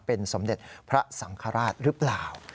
เป็นสมเด็จพระสังฆราชหรือเปล่า